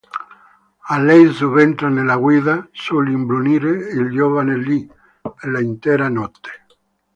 A lei subentra nella guida, sull'imbrunire, il giovane Lee, per l'intera notte.